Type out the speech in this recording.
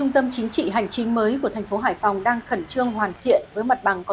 tâm chính trị hành chính mới của thành phố hải phòng đang khẩn trương hoàn thiện với mặt bằng có